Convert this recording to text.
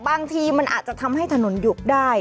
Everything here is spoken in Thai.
บางทีมันอาจจะทำให้ถนนหยุบได้